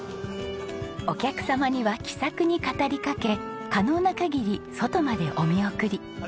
お客様には気さくに語りかけ可能な限り外までお見送り。